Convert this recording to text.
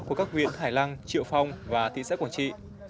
của các huyện hải lăng triệu phong và thị xã quảng trị